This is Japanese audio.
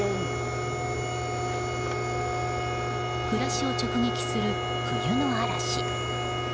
暮らしを直撃する冬の嵐。